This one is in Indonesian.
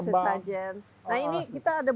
kembang ada sesajen nah ini kita ada